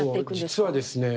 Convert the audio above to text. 実はですね